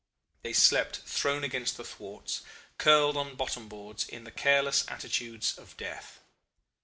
They slept thrown across the thwarts, curled on bottom boards, in the careless attitudes of death.